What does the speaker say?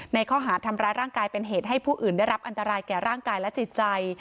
ในข้อหาทำร้ายร่างกายเป็นเหตุให้ผู้อื่นได้รับอันตรายแก่ร่างกายและจิตใจ